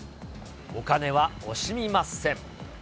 お金は惜しみません。